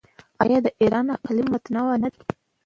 آیا د ایران اقلیم متنوع نه دی؟